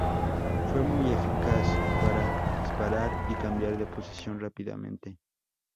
Fue muy eficaz para disparar y cambiar de posición rápidamente.